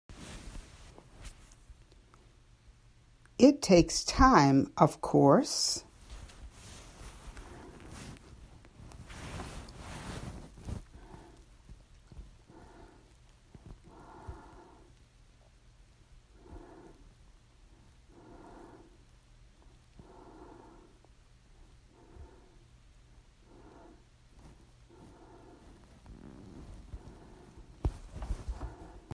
It takes time of course.